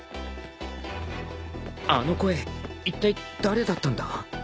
あの声いったい誰だったんだ？